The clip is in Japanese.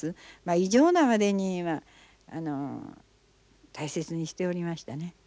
異常なまでに大切にしておりましたね。